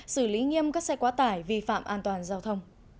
xử lý nghiêm các xe quá tải vi phạm an toàn giao thông